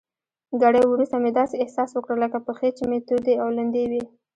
ګړی وروسته مې داسې احساس وکړل لکه پښې چي مې تودې او لندې وي.